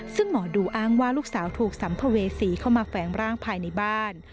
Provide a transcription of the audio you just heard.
ซึ่งหมอดูอ้างว่าลูกสาวถูกสัมภเวษีเข้ามาแฝงร่างภายในบ้าน